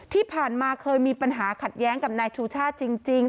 ที่ผ่านมาเคยมีปัญหาขัดแย้งกับนายชูชาติจริง